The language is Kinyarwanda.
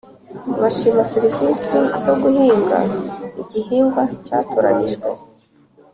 Bashima serivisi zo guhinga igihingwa cyatoranijwe